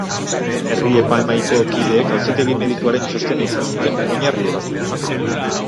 Herri-epaimahaiko kideek auzitegi-medikuaren txostena izan zuten oinarri ebazpena emateko.